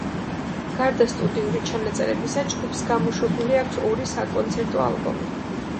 გარდა სტუდიური ჩანაწერებისა, ჯგუფს გამოშვებული აქვს ორი საკონცერტო ალბომი.